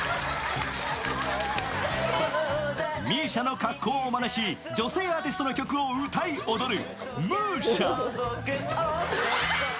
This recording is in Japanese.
ＭＩＳＩＡの格好のまねをし女性アーティストの曲を歌い踊るＭＵＳＩＡ。